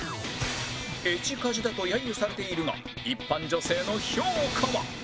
エジカジだと揶揄されているが一般女性の評価は？